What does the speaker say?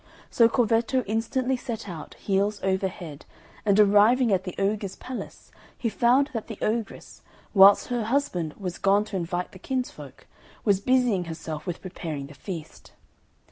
So Corvetto instantly set out heels over head; and arriving at the ogre's palace, he found that the ogress, whilst her husband was gone to invite the kinsfolk, was busying herself with preparing the feast.